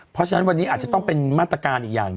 เพราะฉะนั้นวันนี้อาจจะต้องเป็นมาตรการอีกอย่าง